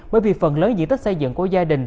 bởi vì phần lớn diện tích xây dựng của gia đình